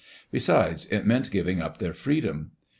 Besides, it meant giving up their freedom.